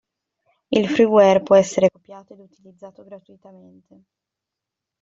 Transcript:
Il freeware può essere copiato ed utilizzato gratuitamente.